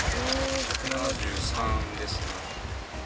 １７３ですね。